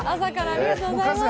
ありがとうございます。